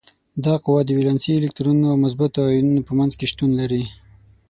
دا قوه د ولانسي الکترونونو او مثبتو ایونونو په منځ کې شتون لري.